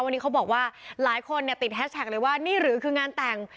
วันนี้เขาบอกว่าหลายคนเนี่ยติดแฮชแท็กเลยว่านี่หรือคืองานแต่ง